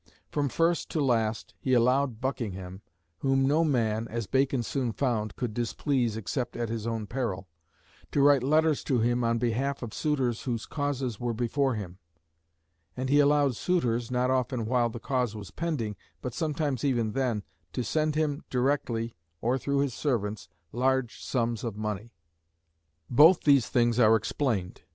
From first to last he allowed Buckingham, whom no man, as Bacon soon found, could displease except at his own peril, to write letters to him on behalf of suitors whose causes were before him; and he allowed suitors, not often while the cause was pending, but sometimes even then, to send him directly, or through his servants, large sums of money. Both these things are explained.